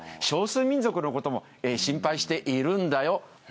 少数民族のことも心配しているんだよ。